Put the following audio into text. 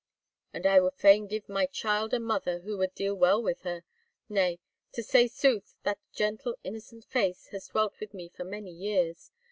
"And I would fain give my child a mother who would deal well with her. Nay, to say sooth, that gentle, innocent face has dwelt with me for many years.